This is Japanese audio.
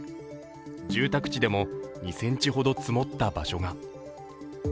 住宅地でも、２ｃｍほど積もった場所が。